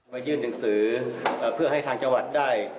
ยื่นหนังสือเพื่อให้ทางจังหวัดได้